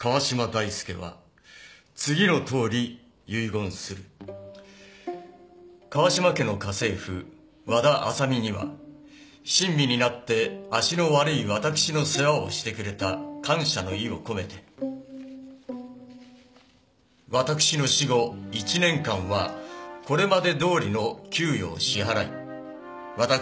川嶋大介は次のとおり遺言する」「川嶋家の家政婦和田あさみには親身になって足の悪い私の世話をしてくれた感謝の意を込めて私の死後１年間はこれまでどおりの給与を支払い私の